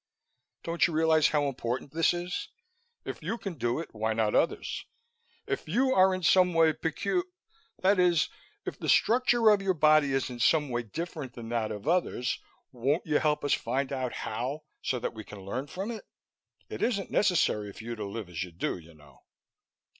Don't you realize how important this is? If you can do it, why not others? If you are in some way pecu that is, if the structure of your body is in some way different from that of others, won't you help us find out how so that we can learn from it? It isn't necessary for you to live as you do, you know."